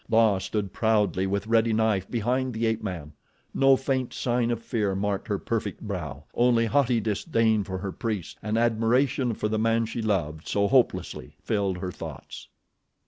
La stood proudly with ready knife behind the ape man. No faint sign of fear marked her perfect brow—only haughty disdain for her priests and admiration for the man she loved so hopelessly filled her thoughts.